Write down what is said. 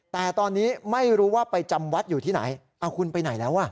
แต่ตอนนี้ไม่รู้ว่าไปจำวัดอยู่ที่ไหนเอาคุณไปไหนแล้วอ่ะ